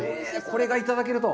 これがいただけると。